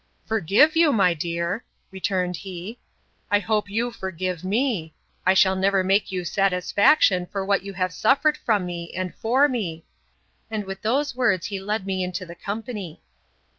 Forgive you, my dear! returned he—I hope you forgive me! I shall never make you satisfaction for what you have suffered from me, and for me! And with those words he led me into the company.